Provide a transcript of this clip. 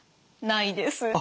ないです。